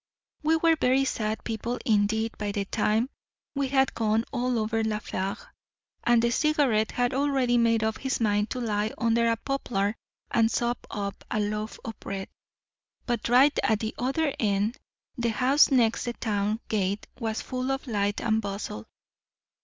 We were very sad people indeed by the time we had gone all over La Fère; and the Cigarette had already made up his mind to lie under a poplar and sup off a loaf of bread. But right at the other end, the house next the town gate was full of light and bustle.